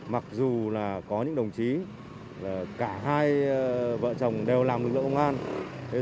mặc dù là có những đồng chí cả hai vợ chồng đều làm lực lượng công an